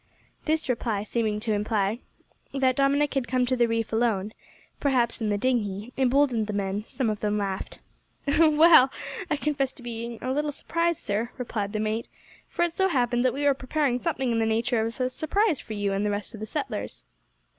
This reply seeming to imply that Dominick had come to the reef alone perhaps in the dinghy emboldened the men; some of them laughed. "Well, I confess to being a little surprised, sir," replied the mate, "for it so happened that we were preparing something in the nature of a surprise for you and the rest of the settlers."